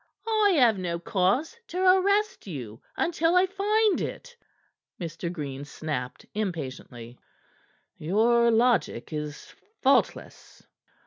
"I have no cause to arrest you until I find it," Mr. Green snapped impatiently. "Your logic is faultless."